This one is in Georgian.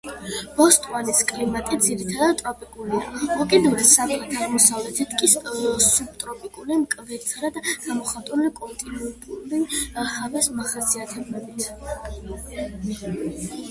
ბოტსვანის კლიმატი ძირითადად ტროპიკულია, უკიდურეს სამხრეთ-აღმოსავლეთით კი სუბტროპიკული, მკვეთრად გამოხატული კონტინენტური ჰავის მახასიათებლებით.